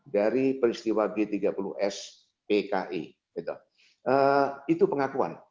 dari peristiwa g tiga puluh s pki itu pengakuan